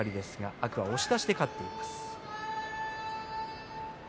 天空海、押し出しで勝っています。